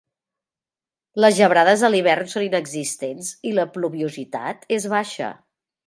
Les gebrades a l'hivern són inexistents i la pluviositat és baixa.